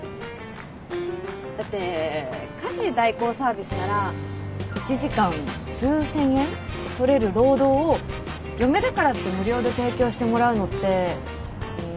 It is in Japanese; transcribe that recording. だって家事代行サービスなら１時間数千円取れる労働を嫁だからって無料で提供してもらうのってうん。